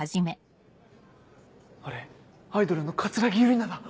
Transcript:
あれアイドルの桂木優里奈だ。